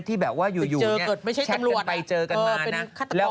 ที่แบบว่าอยู่แชมป์รวมไปเจอกันมานะ